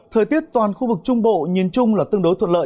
thời tiết toàn khu vực trung bộ nhìn chung là tương đối thuận lợi